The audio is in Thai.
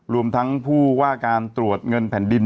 รวมทั้งผู้ว่าการตรวจเงินแผ่นดิน